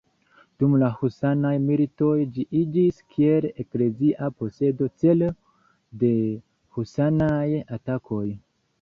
Dum la husanaj militoj ĝi iĝis kiel eklezia posedo celo de husanaj atakoj.